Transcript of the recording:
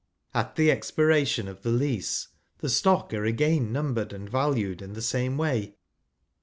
At the expiration of the lease, the stock are again numbered, aud valued in the same way.